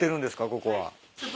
ここは。